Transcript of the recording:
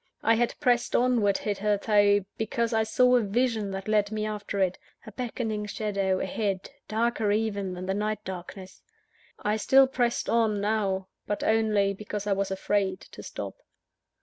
I had pressed onward, hitherto, because I saw a vision that led me after it a beckoning shadow, ahead, darker even than the night darkness. I still pressed on, now; but only because I was afraid to stop.